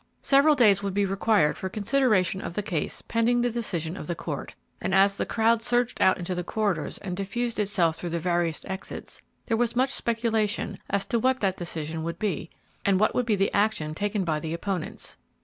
Several days would be required for consideration of the case pending the decision of the court, and as the crowd surged out into the corridors and diffused itself through the various exits, there was much speculation as to what that decision would be and what would be the action taken by the opponents.